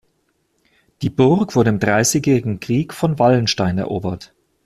Die Burg wurde im Dreißigjährigen Krieg von Wallenstein erobert.